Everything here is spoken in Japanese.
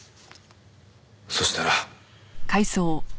そしたら。